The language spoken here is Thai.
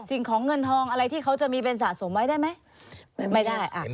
สิ่งของเงินทองอะไรที่เขาจะมีเป็นสะสมไว้ได้ไหมไม่ได้อ่ะ